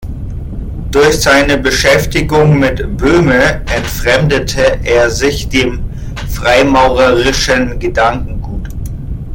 Durch seine Beschäftigung mit Böhme entfremdete er sich dem freimaurerischen Gedankengut.